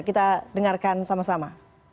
kita dengarkan sama sama